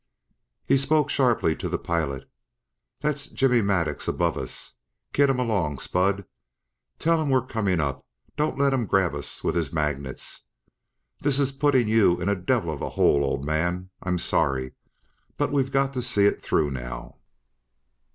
He spoke sharply to the pilot. "That's Jimmy Maddux above us kid him along, Spud! Tell him we're coming up, don't let him grab us with his magnets! This is putting you in a devil of a hole, old man. I'm sorry! but we've got to see it through now.